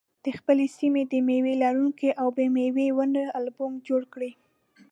د خپلې سیمې د مېوه لرونکو او بې مېوې ونو البوم جوړ کړئ.